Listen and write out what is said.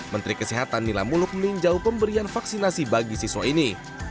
menteri kesehatan nila muluk meninjau pemberian vaksinasi bagi siswa ini